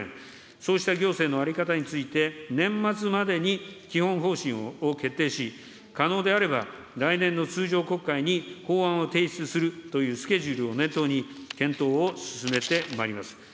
そうした行政の在り方について、年末までに基本方針を決定し、可能であれば、来年の通常国会に法案を提出するというスケジュールを念頭に、検討を進めてまいります。